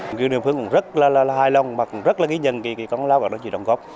người đồng phương cũng rất là hài lòng và cũng rất là nghĩ nhận khi có các đồng gốc